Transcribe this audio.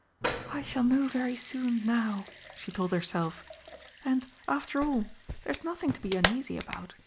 "I shall know very soon now!" she told herself. "And, after all, there's nothing to be uneasy about.